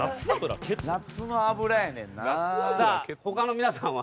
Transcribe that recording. さあ他の皆さんは。